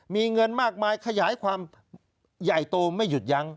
มีเงินมากมายขยายความใหญ่โตไม่หยุดยั้ง